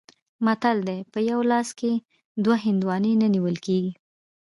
متل دی: په یوه لاس کې دوه هندواڼې نه نیول کېږي.